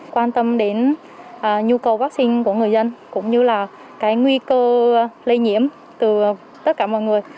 quan tâm đến nhu cầu vaccine của người dân cũng như là cái nguy cơ lây nhiễm từ tất cả mọi người